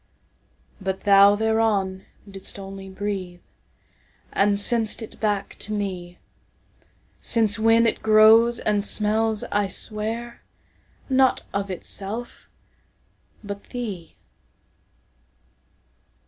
But thou thereon didst only breatheAnd sent'st it back to me; Since when it grows, and smells, I swear, Not of itself but thee!